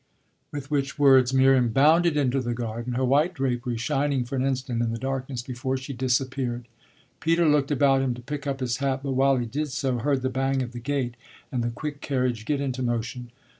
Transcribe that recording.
With which words Miriam bounded into the garden, her white drapery shining for an instant in the darkness before she disappeared. Peter looked about him to pick up his hat, but while he did so heard the bang of the gate and the quick carriage get into motion.